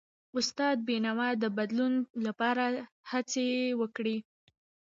استاد بینوا د بدلون لپاره هڅې وکړي.